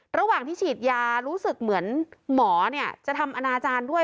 ระหว่างที่ฉีดยารู้สึกเหมือนหมอจะทำอนาจารย์ด้วย